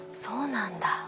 そうなんだ。